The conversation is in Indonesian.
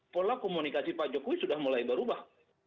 pola komunikasi pak jokowi sudah mulai berubah